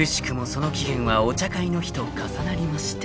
その期限はお茶会の日と重なりまして］